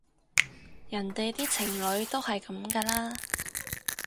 人哋啲情侶都係噉㗎啦